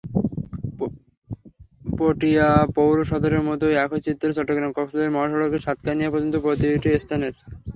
পটিয়া পৌর সদরের মতো একই চিত্র চট্টগ্রাম-কক্সবাজার মহাসড়কের সাতকানিয়া পর্যন্ত প্রতিটি স্থানের।